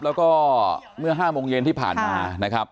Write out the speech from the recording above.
แล้วก็เมื่อ๕โมงเย็นที่ผ่านมานะครับ